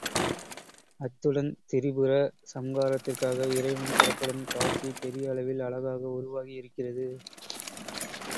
அத்துடன் திரிபுர சம்காரத்திற்காக இறைவன் புறப்படும் காட்சி பெரிய அளவில் அழகாக உருவாகி இருக்கிறது.